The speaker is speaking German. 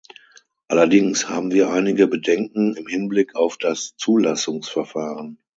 Allerdings haben wir einige Bedenken im Hinblick auf das Zulassungsverfahren.